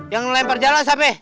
yang lempar jalan siapa